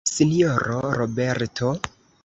Sinjoro Roberto?